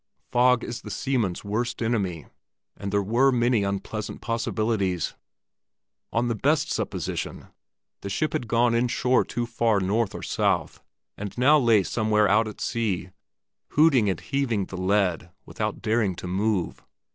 Fog is the seaman's worst enemy, and there were many unpleasant possibilities. On the best supposition the ship had gone inshore too far north or south, and now lay somewhere out at sea hooting and heaving the lead, without daring to move.